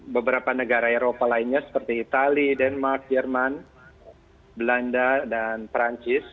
beberapa negara eropa lainnya seperti itali denmark jerman belanda dan perancis